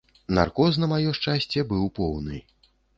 Наркоз, на маё шчасце, быў поўны.